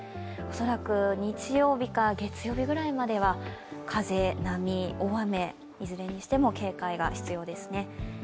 恐らく日曜日か月曜日ぐらいまでは風、波、大雨いずれにしても警戒が必要ですね。